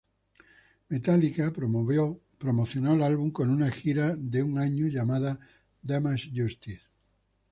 Metallica promocionó el álbum con una gira de un año, llamada Damaged Justice.